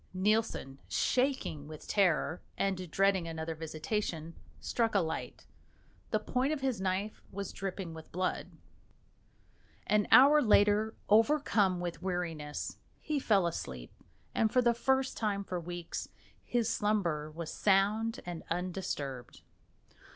Nielsen, shaking with terror and dreading another visitation, struck a light. The point of his knife was dripping with blood. An hour later, overcome with weariness, he fell asleep, and for the first time for weeks his slumber was sound and undisturbed.